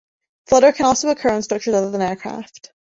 Flutter can also occur on structures other than aircraft.